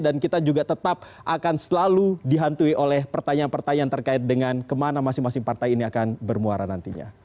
dan kita juga tetap akan selalu dihantui oleh pertanyaan pertanyaan terkait dengan kemana masing masing partai ini akan bermuara nantinya